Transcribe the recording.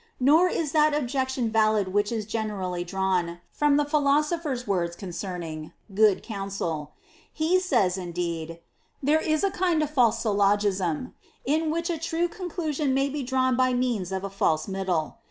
Nor is that objection valid which is generally drawn from the Philosopher's words concerning "good counsel." He says indeed, " There is a kind of false syllogism in which a true conclusion may be drawn by means of a false middle."